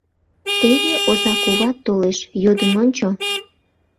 — Теве оза куват толеш, йодын ончо.